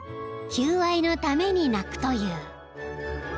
［求愛のために鳴くという］